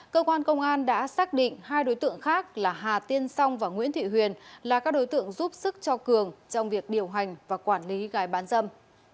cơ quan công an đã xác định hai đối tượng khác là hà tiên song và nguyễn thị huyền là các đối tượng giúp sức cho cường trong việc điều hành và quản lý gái bán dâm